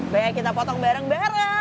baik kita potong bareng bareng